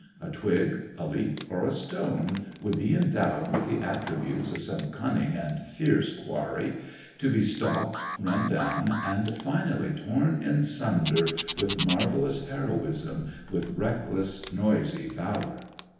A twig, a leaf, or a stone would be endowed with the attributes of some cunning and fierce quarry, to be stalked, run down, and finally torn in sunder with marvellous heroism, with reckless, noisy valour.